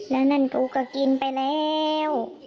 แล้วนั่นกูก็กินไปแล้ว